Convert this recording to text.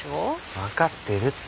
分かってるって。